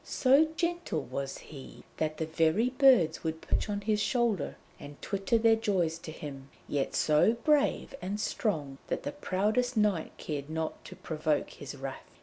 So gentle was he that the very birds would perch on his shoulder and twitter their joys to him, yet so brave and strong that the proudest knight cared not to provoke his wrath.